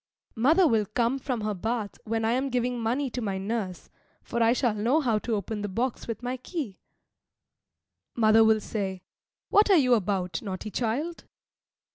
Mother will come from her bath when I am giving money to my nurse, for I shall know how to open the box with my key. Mother will say, "What are you about, naughty child?"